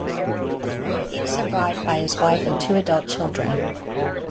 He is survived by his wife and two adult children.